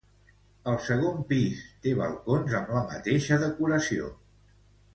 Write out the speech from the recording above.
El segon pis té balcons amb la mateixa decoració.